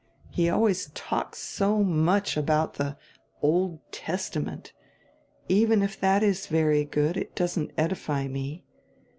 He always talks so much about die Old Testament. Even if that is very good it doesn't edify me.